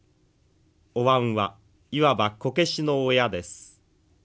おわんはいわばこけしの親です。